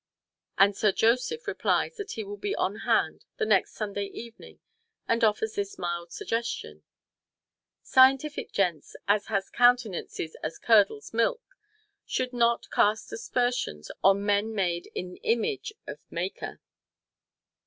And Sir Joseph replies that he will be on hand the next Sunday evening and offers this mild suggestion, "Scientific gents as has countenances as curdles milk should not cast aspersions on men made in image of Maker."